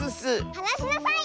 はなしなさい！